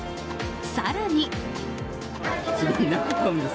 更に。